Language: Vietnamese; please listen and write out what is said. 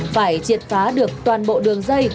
phải triệt phá được toàn bộ đường dây